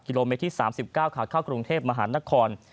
โลเมตรที่๓๙ขาเข้ากรุงเทพมหานคร